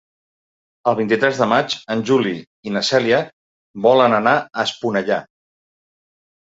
El vint-i-tres de maig en Juli i na Cèlia volen anar a Esponellà.